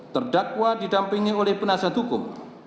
terdakwa didampingi oleh penasihat hukum